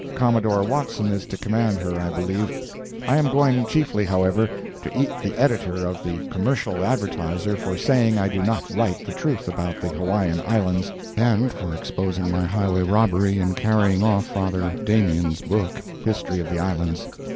Commodore Watson is to command her I believe. I am going chiefly, however, to eat the editor of the Commercial Advertiser for saying I do not write the truth about the Hawaiian Islands, and for exposing my highway robbery in carrying off Father Damien's book—History of the Islands.